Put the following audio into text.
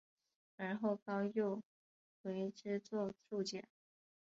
而后高诱为之作注解。